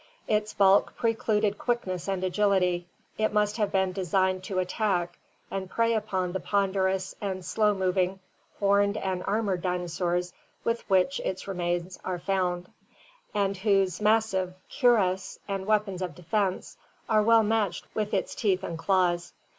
Its bulk precluded quickness and agility. It must have been designed to attack and prey upon the ponderous and slow moving horned and armored dinosaurs with which its remains are found, and whose mas sive cuirass and weapons of defense are well matched with its teeth and claws.